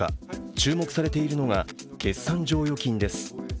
注目されているのが決算剰余金です。